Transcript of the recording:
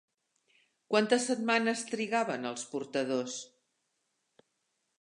Quantes setmanes trigaven els portadors?